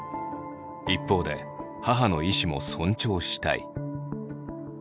一方で母の意思も尊重したい。